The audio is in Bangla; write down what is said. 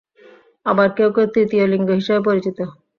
আবার কেউ কেউ তৃতীয় লিঙ্গ হিসেবে পরিচিত।